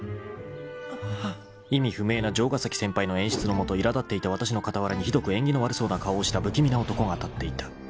［意味不明な城ヶ崎先輩の演出の下いら立っていたわたしの傍らにひどく縁起の悪そうな顔をした不気味な男が立っていた］